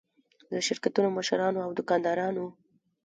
د شرکتونو مشرانو او دوکاندارانو.